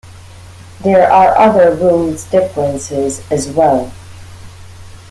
There are other rules differences as well.